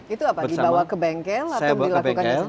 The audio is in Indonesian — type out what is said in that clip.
itu apa dibawa ke bengkel atau dilakukan sendiri